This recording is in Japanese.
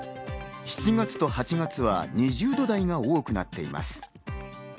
７月と８月は２０度台が多くなっています。